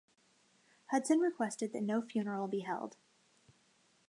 Hudson requested that no funeral be held.